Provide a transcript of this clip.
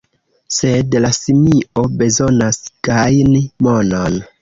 Sed la simio bezonas gajni monon.